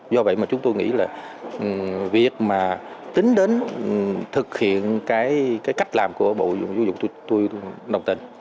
do vậy mà chúng tôi nghĩ là việc mà tính đến thực hiện cái cách làm của bộ giáo dục tôi đồng tình